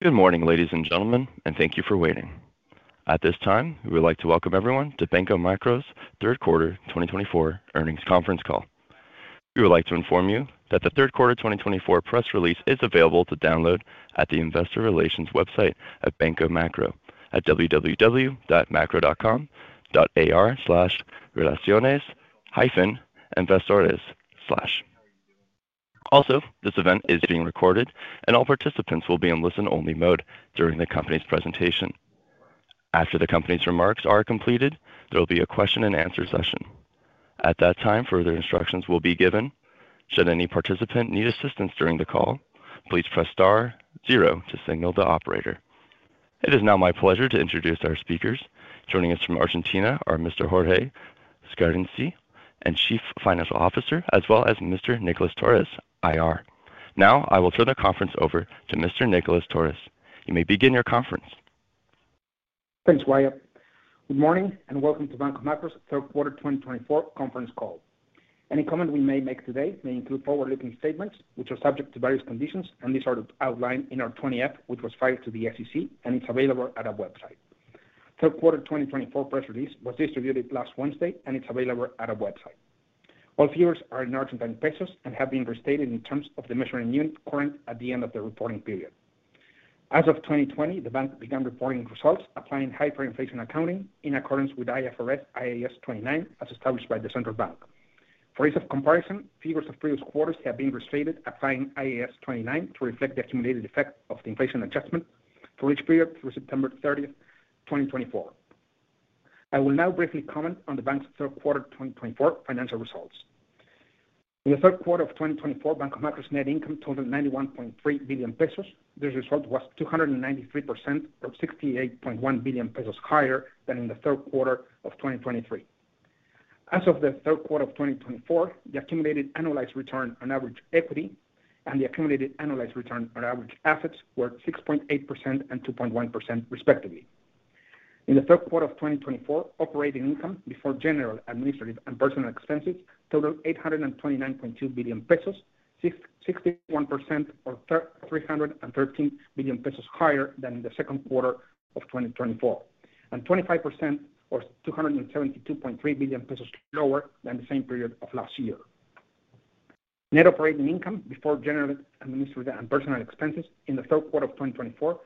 Good morning, ladies and gentlemen, and thank you for waiting. At this time, we would like to welcome everyone to Banco Macro's third quarter 2024 earnings conference call. We would like to inform you that the third quarter 2024 press release is available to download at the Investor Relations website at Banco Macro at www.macro.com.ar/relaciones-inversores. Also, this event is being recorded, and all participants will be in listen-only mode during the company's presentation. After the company's remarks are completed, there will be a question-and-answer session. At that time, further instructions will be given. Should any participant need assistance during the call, please press star zero to signal the operator. It is now my pleasure to introduce our speakers. Joining us from Argentina are Mr. Jorge Scarinci, Chief Financial Officer, as well as Mr. Nicolás Torres, IR. Now, I will turn the conference over to Mr. Nicolás Torres. You may begin your conference. Thanks, Waya. Good morning and welcome to Banco Macro's third quarter 2024 conference call. Any comment we may make today may include forward-looking statements, which are subject to various conditions, and these are outlined in our 20-F, which was filed to the SEC, and it's available at our website. Third quarter 2024 press release was distributed last Wednesday, and it's available at our website. All figures are in Argentine pesos and have been restated in terms of the measuring unit current at the end of the reporting period. As of 2020, the bank began reporting results applying hyperinflation accounting in accordance with IFRS IAS 29, as established by the central bank. For ease of comparison, figures of previous quarters have been restated applying IAS 29 to reflect the accumulated effect of the inflation adjustment for each period through September 30, 2024. I will now briefly comment on the bank's third quarter 2024 financial results. In the third quarter of 2024, Banco Macro's net income totaled 91.3 billion pesos. This result was 293% or 68.1 billion pesos higher than in the third quarter of 2023. As of the third quarter of 2024, the accumulated annualized return on average equity and the accumulated annualized return on average assets were 6.8% and 2.1%, respectively. In the third quarter of 2024, operating income before general, administrative, and personnel expenses totaled 829.2 billion pesos, 61% or 313 billion pesos higher than in the second quarter of 2024, and 25% or 272.3 billion pesos lower than the same period of last year. Net operating income before general, administrative, and personnel expenses in the third quarter of 2024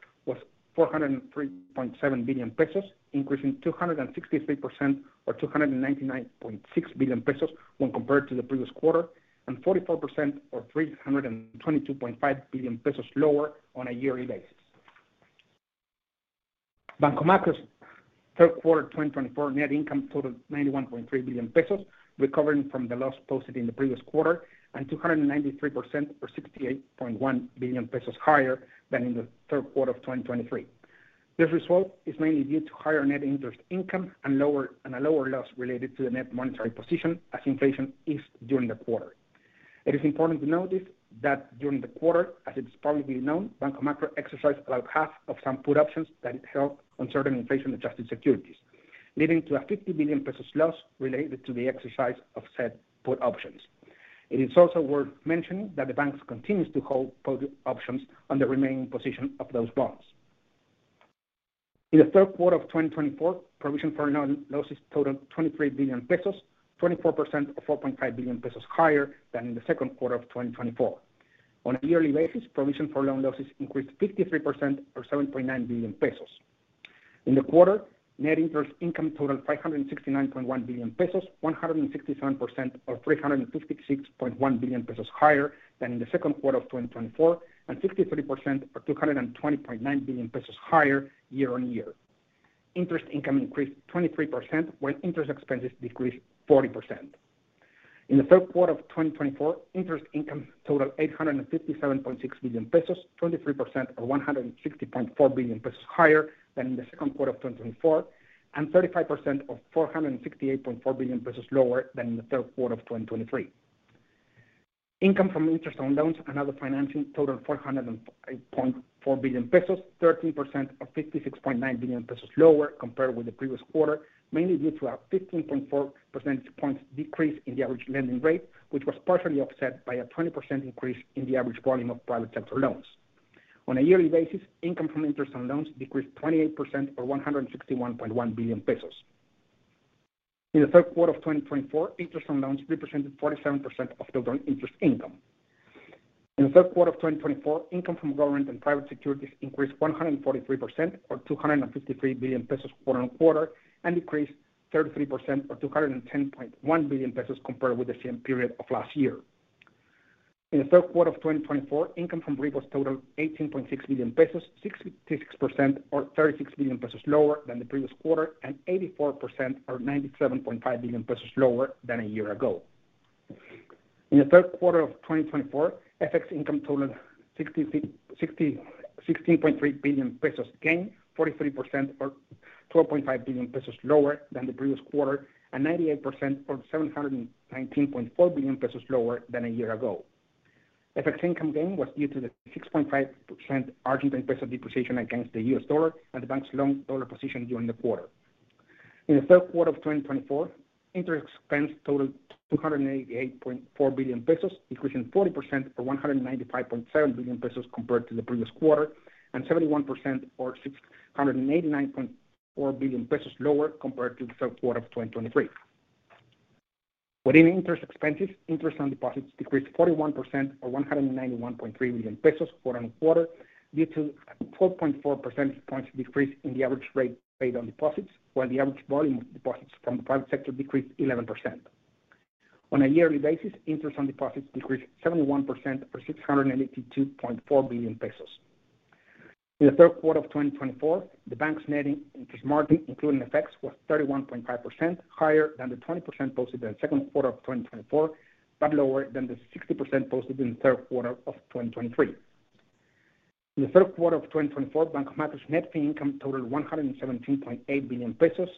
was 403.7 billion pesos, increasing 263% or 299.6 billion pesos when compared to the previous quarter, and 44% or 322.5 billion pesos lower on a yearly basis. Banco Macro's third quarter 2024 net income totaled 91.3 billion pesos, recovering from the loss posted in the previous quarter, and 293% or 68.1 billion pesos higher than in the third quarter of 2023. This result is mainly due to higher net interest income and a lower loss related to the net monetary position, as inflation eased during the quarter. It is important to notice that during the quarter, as it is publicly known, Banco Macro exercised about half of some put options that it held on certain inflation-adjusted securities, leading to a 50 billion pesos loss related to the exercise of said put options. It is also worth mentioning that the bank continues to hold put options on the remaining position of those bonds. In the third quarter of 2024, provision for loan losses totaled 23 billion pesos, 24% or 4.5 billion pesos higher than in the second quarter of 2024. On a yearly basis, provision for loan losses increased 53% or 7.9 billion pesos. In the quarter, net interest income totaled 569.1 billion pesos, 167% or 356.1 billion pesos higher than in the second quarter of 2024, and 63% or 220.9 billion pesos higher year-on-year. Interest income increased 23%, while interest expenses decreased 40%. In the third quarter of 2024, interest income totaled 857.6 billion pesos, 23% or 160.4 billion pesos higher than in the second quarter of 2024, and 35% or 468.4 billion pesos lower than in the third quarter of 2023. Income from interest on loans and other financing totaled 405.4 billion pesos, 13% or 56.9 billion pesos lower compared with the previous quarter, mainly due to a 15.4 percentage point decrease in the average lending rate, which was partially offset by a 20% increase in the average volume of private sector loans. On a yearly basis, income from interest on loans decreased 28% or 161.1 billion pesos. In the third quarter of 2024, interest on loans represented 47% of total interest income. In the third quarter of 2024, income from government and private securities increased 143% or 253 billion pesos quarter on quarter and decreased 33% or 210.1 billion pesos compared with the same period of last year. In the third quarter of 2024, income from repos totaled 18.6 billion pesos, 66% or 36 billion pesos lower than the previous quarter, and 84% or 97.5 billion pesos lower than a year ago. In the third quarter of 2024, FX income totaled 16.3 billion pesos gain, 43% or 12.5 billion pesos lower than the previous quarter, and 98% or 719.4 billion pesos lower than a year ago. FX income gain was due to the 6.5% Argentine peso depreciation against the US dollar and the bank's long dollar position during the quarter. In the third quarter of 2024, interest expense totaled 288.4 billion pesos, decreasing 40% or 195.7 billion pesos compared to the previous quarter, and 71% or 689.4 billion pesos lower compared to the third quarter of 2023. Within interest expenses, interest on deposits decreased 41% or 191.3 billion pesos quarter on quarter due to a 4.4 percentage point decrease in the average rate paid on deposits, while the average volume of deposits from the private sector decreased 11%. On a yearly basis, interest on deposits decreased 71% or 682.4 billion pesos. In the third quarter of 2024, the bank's net interest margin, including FX, was 31.5%, higher than the 20% posted in the second quarter of 2024, but lower than the 60% posted in the third quarter of 2023. In the third quarter of 2024, Banco Macro's net fee income totaled 117.8 billion pesos,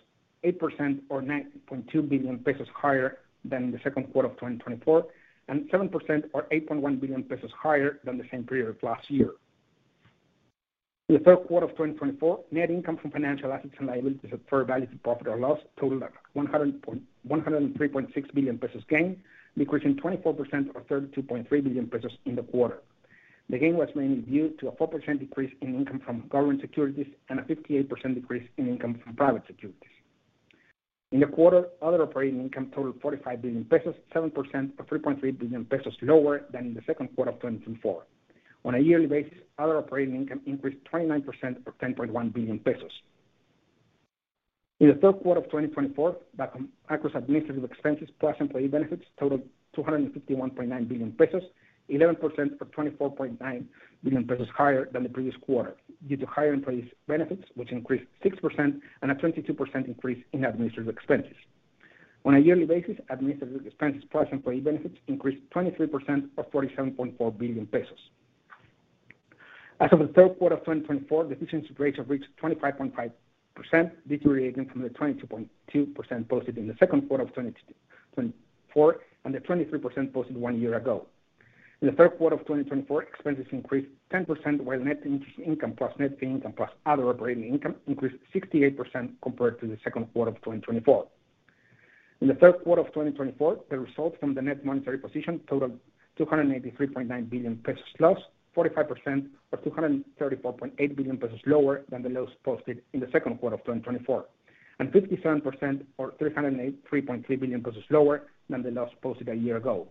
8% or 9.2 billion pesos higher than in the second quarter of 2024, and 7% or 8.1 billion pesos higher than the same period of last year. In the third quarter of 2024, net income from financial assets and liabilities at fair value to profit or loss totaled 103.6 billion pesos gain, decreasing 24% or 32.3 billion pesos in the quarter. The gain was mainly due to a 4% decrease in income from government securities and a 58% decrease in income from private securities. In the quarter, other operating income totaled 45 billion pesos, 7% or 3.3 billion pesos lower than in the second quarter of 2024. On a yearly basis, other operating income increased 29% or 10.1 billion pesos. In the third quarter of 2024, Banco Macro's administrative expenses plus employee benefits totaled 251.9 billion pesos, 11% or 24.9 billion pesos higher than the previous quarter, due to higher employee benefits, which increased 6%, and a 22% increase in administrative expenses. On a yearly basis, administrative expenses plus employee benefits increased 23% or 47.4 billion pesos. As of the third quarter of 2024, the efficiency rate reached 25.5%, deteriorating from the 22.2% posted in the second quarter of 2024 and the 23% posted one year ago. In the third quarter of 2024, expenses increased 10%, while net interest income plus net fee income plus other operating income increased 68% compared to the second quarter of 2024. In the third quarter of 2024, the result from the net monetary position totaled 283.9 billion pesos loss, 45% or 234.8 billion pesos lower than the loss posted in the second quarter of 2024, and 57% or 303.3 billion pesos lower than the loss posted a year ago.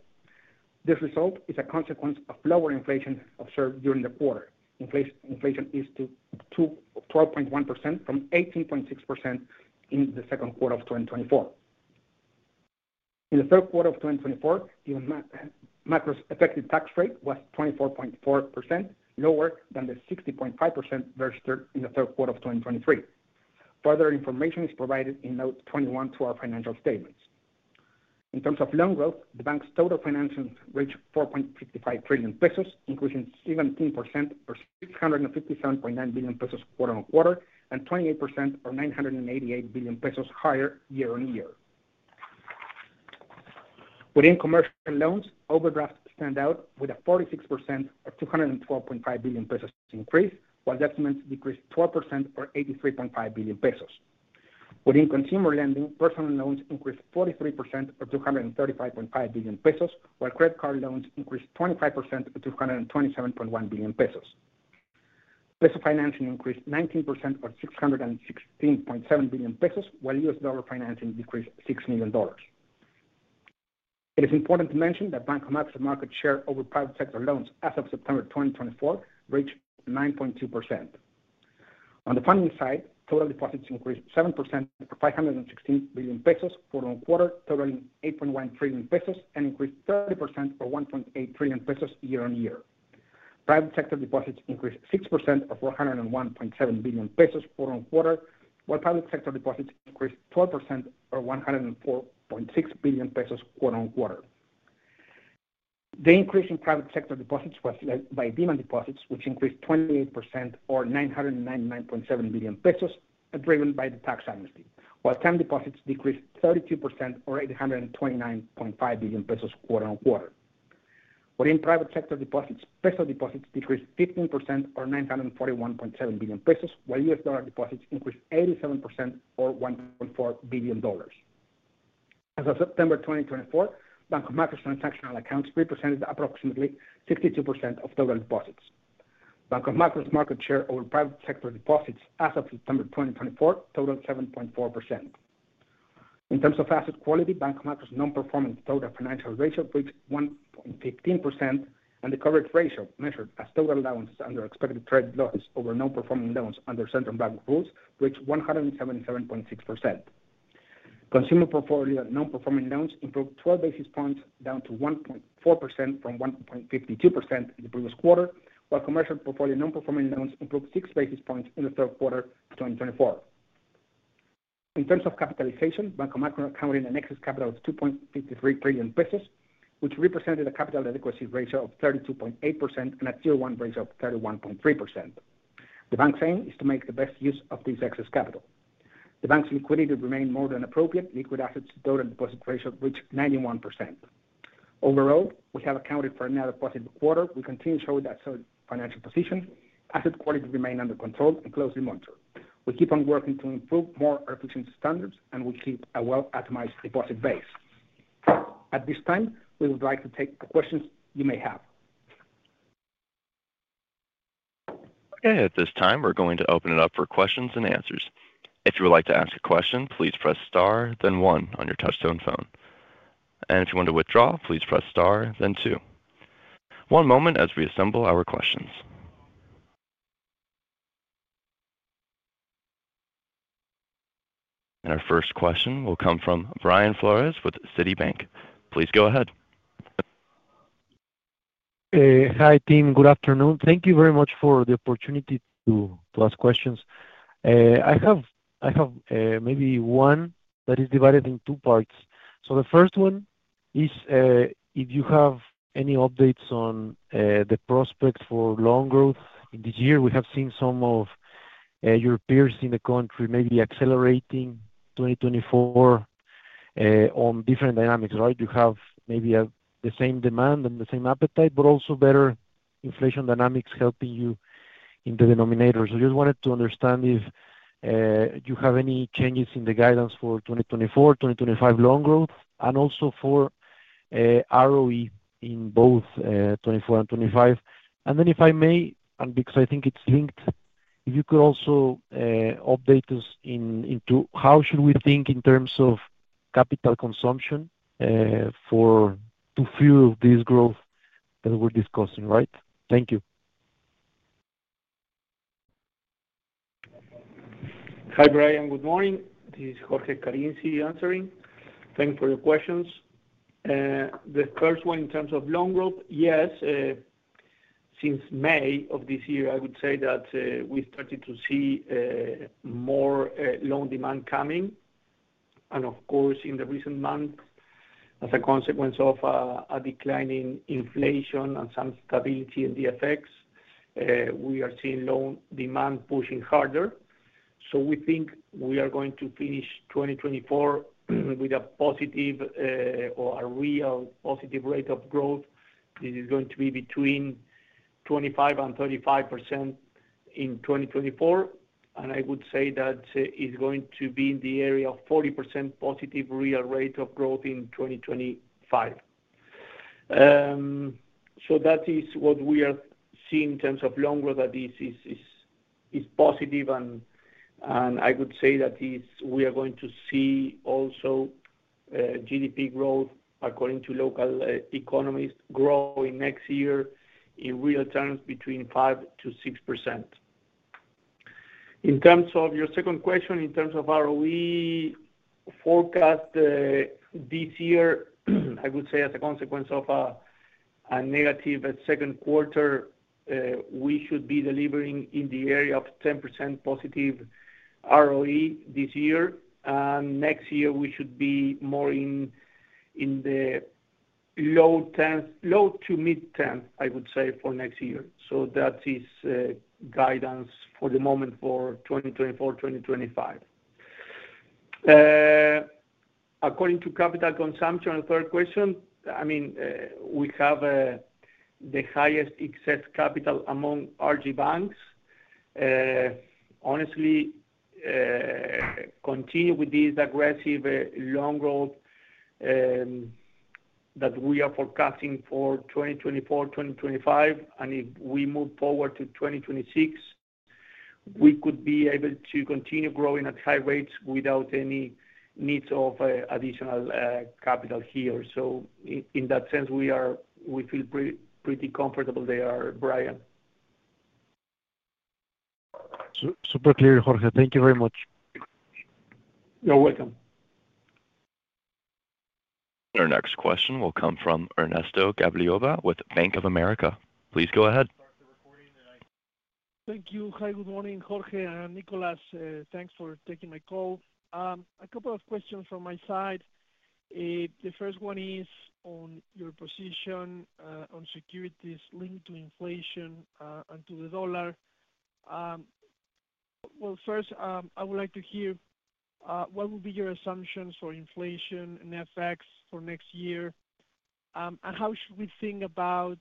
This result is a consequence of lower inflation observed during the quarter. Inflation eased to 12.1% from 18.6% in the second quarter of 2024. In the third quarter of 2024, Macro's effective tax rate was 24.4%, lower than the 60.5% registered in the third quarter of 2023. Further information is provided in note 21 to our financial statements. In terms of loan growth, the bank's total financing reached 4.55 trillion pesos, increasing 17% or 657.9 billion pesos quarter on quarter, and 28% or 988 billion pesos higher year-on-year. Within commercial loans, overdrafts stand out with a 46% or 212.5 billion pesos increase, while debt demands decreased 12% or 83.5 billion pesos. Within consumer lending, personal loans increased 43% or 235.5 billion pesos, while credit card loans increased 25% or 227.1 billion pesos. Peso financing increased 19% or 616.7 billion pesos, while U.S. dollar financing decreased $6 million. It is important to mention that Banco Macro's market share over private sector loans as of September 2024 reached 9.2%. On the funding side, total deposits increased 7% or 516 billion pesos quarter on quarter, totaling 8.1 trillion pesos, and increased 30% or 1.8 trillion pesos year-on-year. Private sector deposits increased 6% or 401.7 billion pesos quarter on quarter, while public sector deposits increased 12% or 104.6 billion pesos quarter on quarter. The increase in private sector deposits was led by demand deposits, which increased 28% or 999.7 billion pesos, driven by the tax amnesty, while time deposits decreased 32% or 829.5 billion pesos quarter on quarter. Within private sector deposits, peso deposits decreased 15% or 941.7 billion pesos, while US dollar deposits increased 87% or $1.4 billion. As of September 2024, Banco Macro's transactional accounts represented approximately 62% of total deposits. Banco Macro's market share over private sector deposits as of September 2024 totaled 7.4%. In terms of asset quality, Banco Macro's non-performing loans ratio reached 1.15%, and the coverage ratio measured as total allowances under expected credit losses over non-performing loans under central bank rules reached 177.6%. Consumer portfolio non-performing loans improved 12 basis points down to 1.4% from 1.52% in the previous quarter, while commercial portfolio non-performing loans improved 6 basis points in the third quarter of 2024. In terms of capitalization, Banco Macro has an excess capital of 2.53 trillion pesos, which represented a capital adequacy ratio of 32.8% and a Tier 1 ratio of 31.3%. The bank's aim is to make the best use of this excess capital. The bank's liquidity remained more than appropriate. Liquid assets to total deposits ratio reached 91%. Overall, we have accounted for another positive quarter. We continue to show a solid financial position. Asset quality remained under control and closely monitored. We keep on working to improve more efficient standards, and we keep a well-optimized deposit base. At this time, we would like to take questions you may have. Okay. At this time, we're going to open it up for questions and answers. If you would like to ask a question, please press star, then one on your touch-tone phone. And if you want to withdraw, please press star, then two. One moment as we assemble our questions. And our first question will come from Brian Flores with Citibank. Please go ahead. Hi, team. Good afternoon. Thank you very much for the opportunity to ask questions. I have maybe one that is divided in two parts. So the first one is if you have any updates on the prospects for loan growth this year. We have seen some of your peers in the country maybe accelerating 2024 on different dynamics, right? You have maybe the same demand and the same appetite, but also better inflation dynamics helping you in the denominator. So I just wanted to understand if you have any changes in the guidance for 2024, 2025 loan growth, and also for ROE in both 2024 and 2025. And then if I may, and because I think it's linked, if you could also update us into how should we think in terms of capital consumption for to fuel this growth that we're discussing, right? Thank you. Hi, Brian. Good morning. This is Jorge Scarinci answering. Thank you for your questions. The first one in terms of loan growth, yes. Since May of this year, I would say that we started to see more loan demand coming. And of course, in the recent months, as a consequence of a declining inflation and some stability in the FX, we are seeing loan demand pushing harder. So we think we are going to finish 2024 with a positive or a real positive rate of growth. This is going to be between 25% and 35% in 2024. And I would say that it's going to be in the area of 40% positive real rate of growth in 2025. So that is what we are seeing in terms of loan growth that is positive. And I would say that we are going to see also GDP growth, according to local economists, grow in next year in real terms between 5%-6%. In terms of your second question, in terms of ROE forecast this year, I would say as a consequence of a negative second quarter, we should be delivering in the area of 10% positive ROE this year. And next year, we should be more in the low to mid-10%, I would say, for next year. So that is guidance for the moment for 2024, 2025. According to capital consumption, third question, I mean, we have the highest excess capital among Argie banks. Honestly, continue with this aggressive loan growth that we are forecasting for 2024, 2025. And if we move forward to 2026, we could be able to continue growing at high rates without any needs of additional capital here. So in that sense, we feel pretty comfortable there, Brian. Super clear, Jorge. Thank you very much. You're welcome. Our next question will come from Ernesto Gabilondo with Bank of America. Please go ahead. Thank you. Hi, good morning, Jorge and Nicolas. Thanks for taking my call. A couple of questions from my side. The first one is on your position on securities linked to inflation and to the dollar. Well, first, I would like to hear what would be your assumptions for inflation and FX for next year. And how should we think about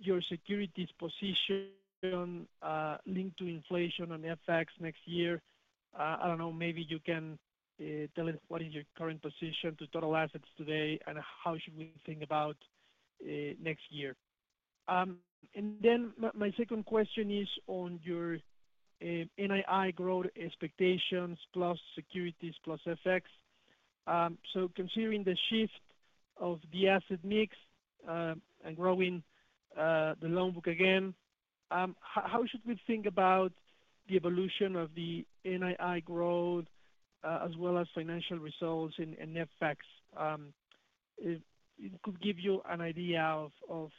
your securities position linked to inflation and FX next year? I don't know. Maybe you can tell us what is your current position to total assets today and how should we think about next year. And then my second question is on your NII growth expectations plus securities plus FX. So considering the shift of the asset mix and growing the loan book again, how should we think about the evolution of the NII growth as well as financial results and FX? It could give you an idea of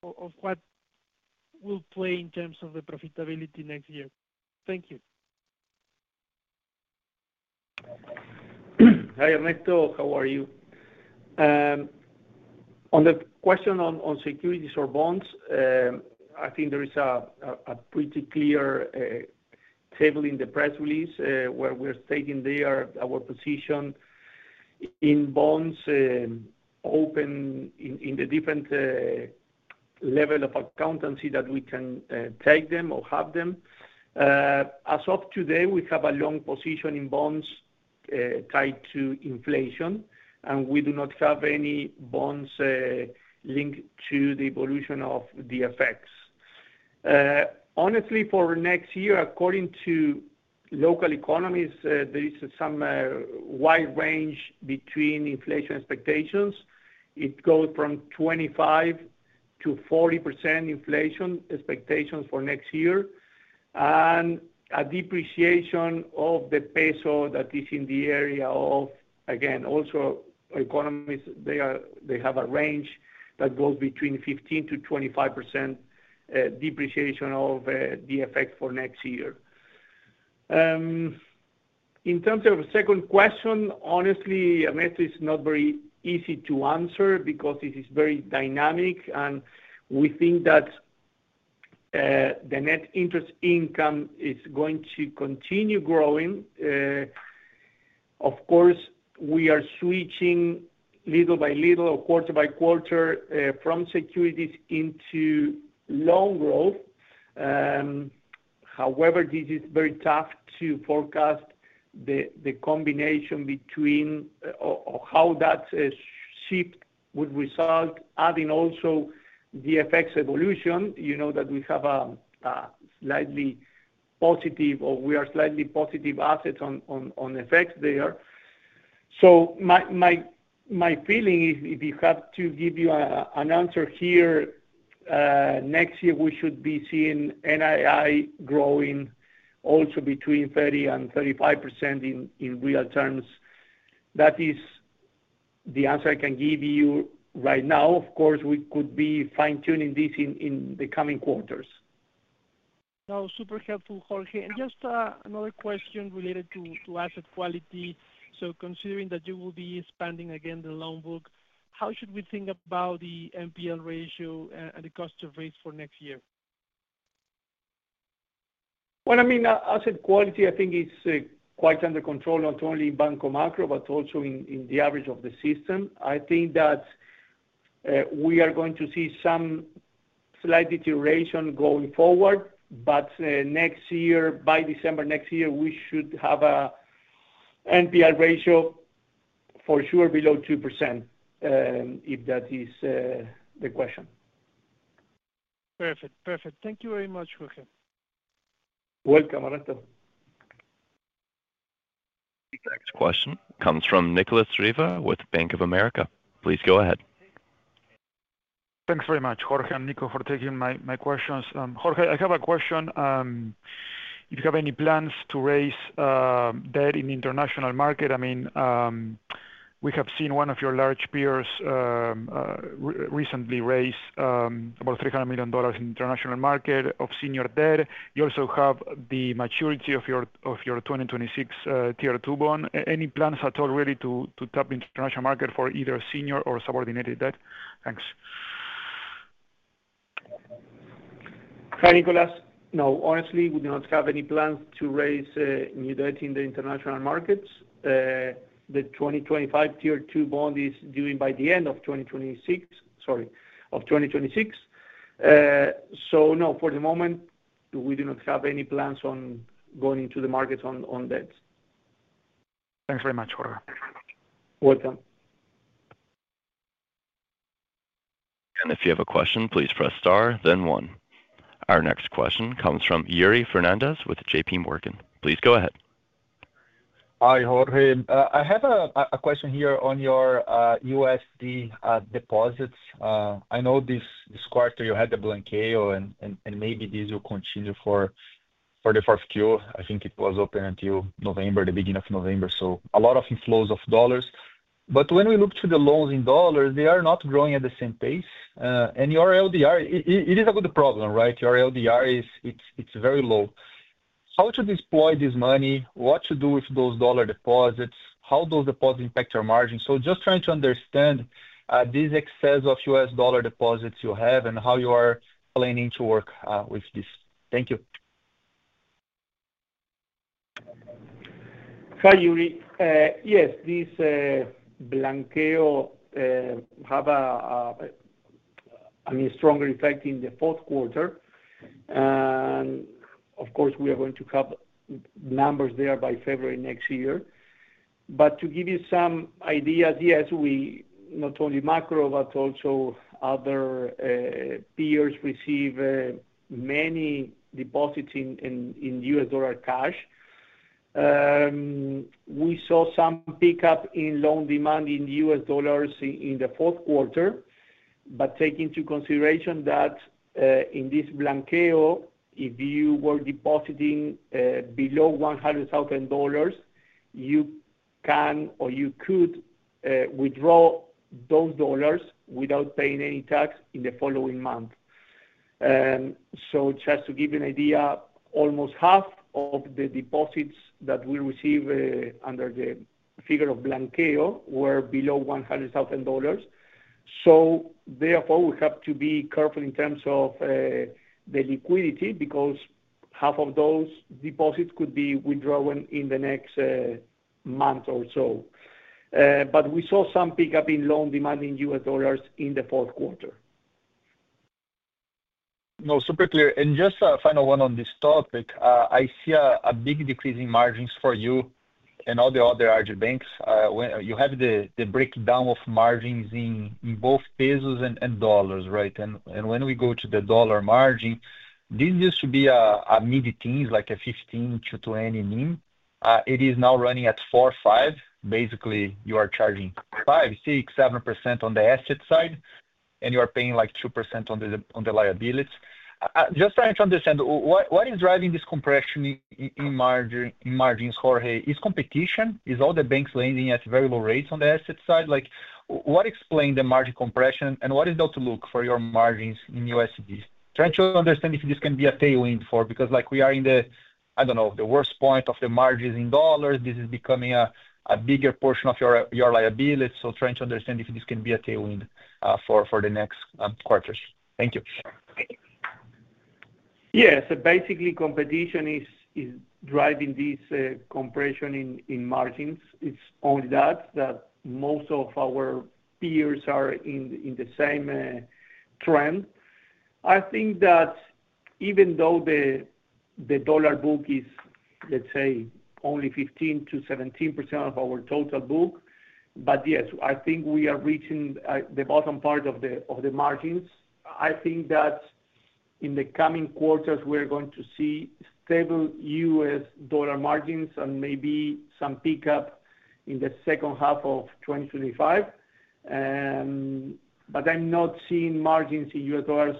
what will play in terms of the profitability next year. Thank you. Hi, Ernesto. How are you? On the question on securities or bonds, I think there is a pretty clear table in the press release where we're stating there our position in bonds open in the different level of accounting that we can take them or have them. As of today, we have a long position in bonds tied to inflation, and we do not have any bonds linked to the evolution of the FX. Honestly, for next year, according to local economists, there is some wide range between inflation expectations. It goes from 25%-40% inflation expectations for next year, and a depreciation of the peso that is in the area of, again, also economists, they have a range that goes between 15%-25% depreciation of the FX for next year. In terms of the second question, honestly, Ernesto, it's not very easy to answer because this is very dynamic, and we think that the net interest income is going to continue growing. Of course, we are switching little by little or quarter by quarter from securities into loan growth. However, this is very tough to forecast the combination between how that shift would result, adding also the FX evolution. You know that we have a slightly positive or we are slightly positive assets on FX there. So my feeling is if you have to give an answer here, next year we should be seeing NII growing also between 30% and 35% in real terms. That is the answer I can give you right now. Of course, we could be fine-tuning this in the coming quarters. No, super helpful, Jorge. And just another question related to asset quality. So considering that you will be expanding again the loan book, how should we think about the NPL ratio and the cost of risk for next year? Well, I mean, asset quality, I think, is quite under control not only in Banco Macro, but also in the average of the system. I think that we are going to see some slight deterioration going forward. But next year, by December next year, we should have an NPL ratio for sure below 2% if that is the question. Perfect. Perfect. Thank you very much, Jorge. Welcome, Ernesto. Next question comes from Nicolas Riva with Bank of America. Please go ahead. Thanks very much, Jorge and Nico, for taking my questions. Jorge, I have a question. If you have any plans to raise debt in the international market, I mean, we have seen one of your large peers recently raise about $300 million in the international market of senior debt. You also have the maturity of your 2026 tier 2 bond. Any plans at all really to tap international market for either senior or subordinated debt? Thanks. Hi, Nicolas. No, honestly, we do not have any plans to raise new debt in the international markets. The 2025 tier 2 bond is due by the end of 2026, sorry, of 2026. So no, for the moment, we do not have any plans on going into the markets on debt. Thanks very much, Jorge. Welcome. And if you have a question, please press star, then one. Our next question comes from Yuri Fernandes with J.P. Morgan. Please go ahead. Hi, Jorge. I have a question here on your USD deposits. I know this quarter you had the blanqueo, and maybe this will continue for the 4th Q. I think it was open until November, the beginning of November. So a lot of inflows of dollars. But when we look to the loans in dollars, they are not growing at the same pace. And your LDR, it is a good problem, right? Your LDR, it's very low. How to deploy this money? What to do with those dollar deposits? How do those deposits impact your margin? So just trying to understand these excess of US dollar deposits you have and how you are planning to work with this. Thank you. Hi, Yuri. Yes, this Blanqueo have a stronger effect in the fourth quarter, and of course, we are going to have numbers there by February next year, but to give you some ideas, yes, we, not only Macro, but also other peers, receive many deposits in U.S. dollar cash. We saw some pickup in loan demand in U.S. dollars in the fourth quarter, but taking into consideration that in this Blanqueo, if you were depositing below $100,000, you can or you could withdraw those dollars without paying any tax in the following month, so just to give you an idea, almost half of the deposits that we receive under the figure of Blanqueo were below $100,000. So therefore, we have to be careful in terms of the liquidity because half of those deposits could be withdrawn in the next month or so. But we saw some pickup in loan demand in U.S. dollars in the fourth quarter. No, super clear. And just a final one on this topic. I see a big decrease in margins for you and all the other Argie banks. You have the breakdown of margins in both pesos and dollars, right? And when we go to the dollar margin, this used to be a mid-teens, like a 15-20 mean. It is now running at 4-5. Basically, you are charging 5-7% on the asset side, and you are paying like 2% on the liabilities. Just trying to understand what is driving this compression in margins, Jorge. Is competition? Is all the banks lending at very low rates on the asset side? What explains the margin compression, and what is the outlook for your margins in USD? Trying to understand if this can be a tailwind for because we are in the, I don't know, the worst point of the margins in dollars. This is becoming a bigger portion of your liabilities. So trying to understand if this can be a tailwind for the next quarters. Thank you. Yes. So basically, competition is driving this compression in margins. It's only that most of our peers are in the same trend. I think that even though the dollar book is, let's say, only 15%-17% of our total book, but yes, I think we are reaching the bottom part of the margins. I think that in the coming quarters, we are going to see stable US dollar margins and maybe some pickup in the second half of 2025. But I'm not seeing margins in US dollars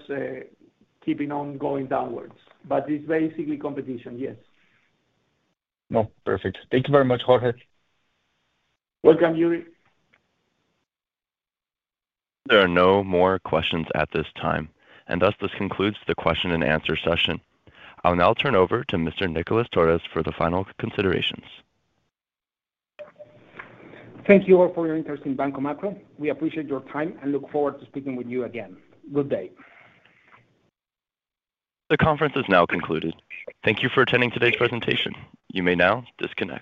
keeping on going downwards. But it's basically competition, yes. No, perfect. Thank you very much, Jorge. Welcome, Yuri. There are no more questions at this time. And thus, this concludes the question and answer session. I'll now turn over to Mr. Nicolás Torres for the final considerations. Thank you all for your interest in Banco Macro. We appreciate your time and look forward to speaking with you again. Good day. The conference is now concluded. Thank you for attending today's presentation. You may now disconnect.